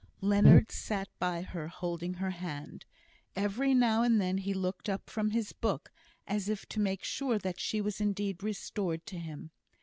Leonard sat by her holding her hand. Every now and then he looked up from his book, as if to make sure that she indeed was restored to him.